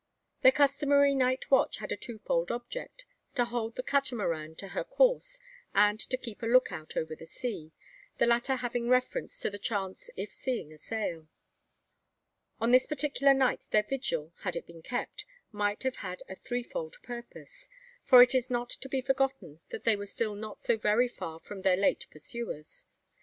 Their customary night watch had a twofold object: to hold the Catamaran to her course, and to keep a lookout over the sea, the latter having reference to the chance if seeing a sail. On this particular night their vigil, had it been kept, might have had a threefold purpose: for it is not to be forgotten that they were still not so very far from their late pursuers.